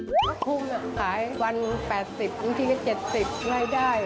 พระคุมขายวัน๘๐ทุกทีก็๗๐รายได้